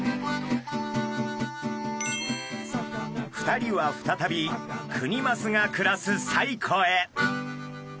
２人は再びクニマスが暮らす西湖へ。